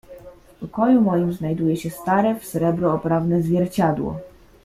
"W pokoju moim znajduje się stare, w srebro oprawne zwierciadło."